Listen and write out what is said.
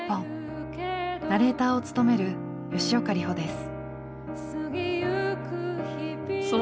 ナレーターを務める吉岡里帆です。